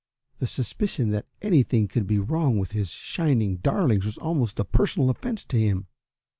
The suspicion that anything could be wrong with his shining darlings was almost a personal offence to him.